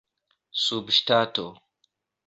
subŝtato